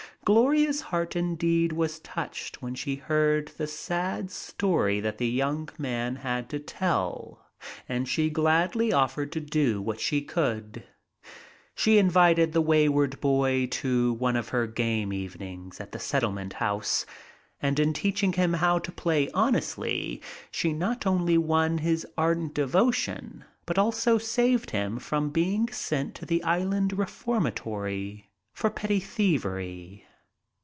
Gloria's heart indeed was touched when she heard the sad story that the young man had to tell, and she gladly offered to do what she could. She invited the wayward boy to one of her game evenings at the Settlement House, and in teaching him to play honestly she not only won his ardent devotion but also saved him from being sent to the island reformatory for petty thievery.